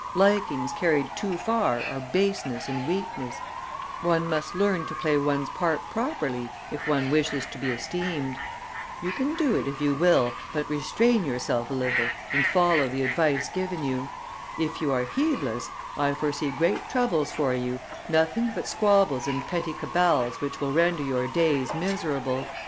... Likings carried too far are baseness or weakness; one must learn to play one's part properly if one wishes to be esteemed; you can do it if you will but restrain yourself a little and follow the advice given you; if you are heedless, I foresee great troubles for you, nothing but squabbles and petty cabals which will render your days miserable.